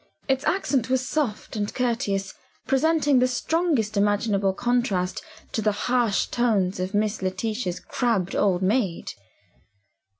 Its accent was soft and courteous; presenting the strongest imaginable contrast to the harsh tones of Miss Letitia's crabbed old maid.